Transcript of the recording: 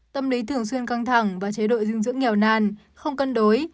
tâm lý thường xuyên căng thẳng và chế đội dưng dưỡng nghèo nàn không cân đối